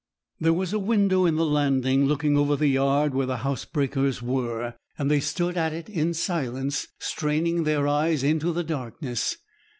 There was a window in the landing, looking over the yard where the housebreakers were, and they stood at it in silence, straining their eyes into the darkness.